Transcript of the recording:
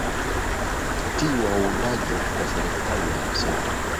ti wa uundaji wa serikali ya mseto